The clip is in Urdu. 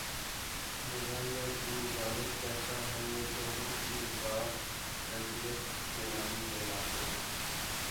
مزاحیہ چِیز ضارب کہتا ہے یہ دونوں امیدوار رڈلف گیلانی کہلاتے ہیں